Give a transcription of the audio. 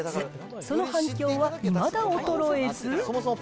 その反響は、いまだ衰えず。